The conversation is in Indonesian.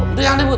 udah yang ribut